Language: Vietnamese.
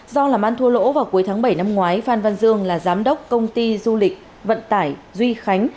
do làm ăn thua lỗ vào cuối tháng bảy năm ngoái phan văn dương là giám đốc công ty du lịch vận tải duy khánh